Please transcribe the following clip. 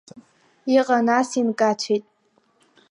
Иҟан, нас инкацәеит.